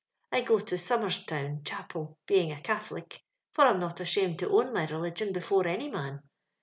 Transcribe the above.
I go to Somer's town Cha pel, being a Catholic, for I'm not ashamed to own my religion before any man.